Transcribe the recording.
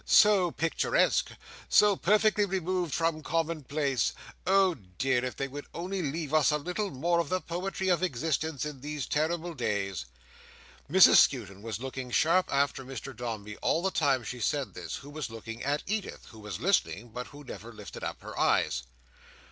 So picturesque! So perfectly removed from commonplace! Oh dear! If they would only leave us a little more of the poetry of existence in these terrible days!" Mrs Skewton was looking sharp after Mr Dombey all the time she said this, who was looking at Edith: who was listening, but who never lifted up her eyes.